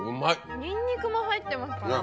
ニンニクも入ってますから。